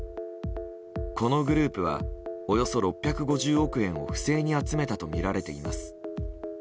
このグループはおよそ６５０億円を不正に集めたとみられています。